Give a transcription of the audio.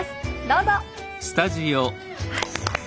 どうぞ！